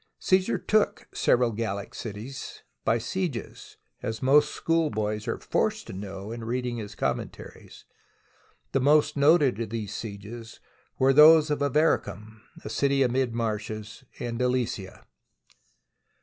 Caesar took several Gallic cities by sieges, as most schoolboys are forced to know in reading his Com mentaries. The most noted of these sieges were those of Avaricum, a city amid marshes, and Alesia.